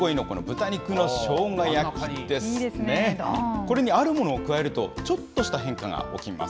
これにあるものを加えると、ちょっとした変化が起きます。